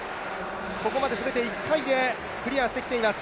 ここまですべて１回でクリアしています。